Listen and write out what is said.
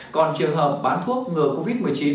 còn trường hợp bán thuốc ngừa covid một mươi chín